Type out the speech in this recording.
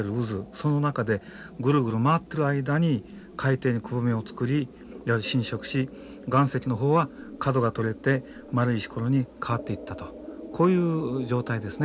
その中でグルグル回ってる間に海底にくぼみを作り浸食し岩石の方は角が取れて丸い石ころに変わっていったとこういう状態ですね。